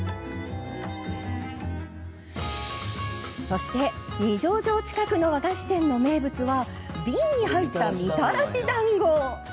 そして、二条城近くの和菓子店の名物は瓶に入った、みたらしだんご。